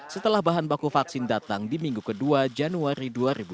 setelah bahan baku vaksin datang di minggu kedua januari dua ribu dua puluh